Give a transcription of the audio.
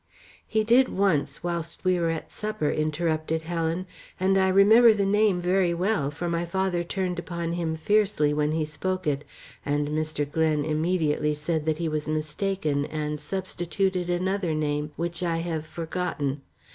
"He did once, whilst we were at supper," interrupted Helen, "and I remember the name very well, for my father turned upon him fiercely when he spoke it, and Mr. Glen immediately said that he was mistaken and substituted another name, which I have forgotten.